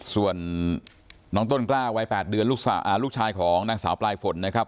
ส่วนน้องต้นกล้าวัย๘เดือนลูกชายของนางสาวปลายฝนนะครับ